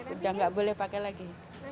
udah nggak boleh pakai lagi